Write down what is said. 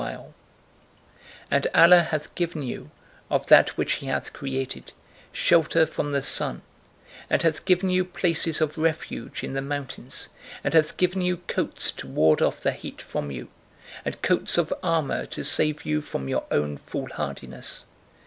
P: And Allah hath given you, of that which He hath created, shelter from the sun; and hath given you places of refuge in the mountains, and hath given you coats to ward off the heat from you, and coats (of armour) to save you from your own foolhardiness.